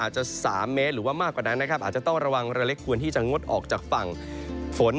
จะต้องระวังระเล็กควรที่จะงดออกจากฝน